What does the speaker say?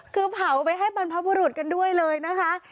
คือเผาไปให้บรรพบุรุษกันด้วยเลยนะคะ